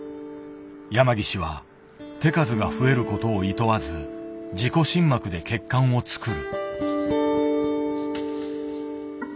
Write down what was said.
山岸は手数が増えることをいとわず自己心膜で血管を作る。